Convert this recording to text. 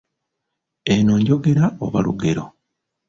Eno njogera oba lugero?